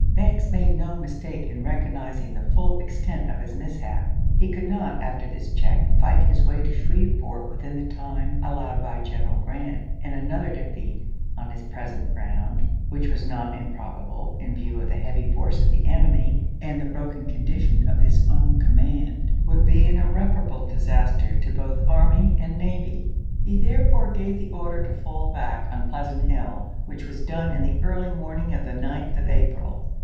Banks made no mistake in recognizing the full extent of his mishap. He could not, after this check, fight his way to Shreveport within the time allowed by General Grant, and another defeat, on his present ground — which was not improbable, in view of the heavy force of the enemy and the broken condition of his own command — would be an irreparable disaster to both army and navy. OLUSTEE AND THE RED RIVER 295 He therefore gave the order to fall back on chap.xi. Pleasant Hill, which was done in the early morn ing of the 9th of April.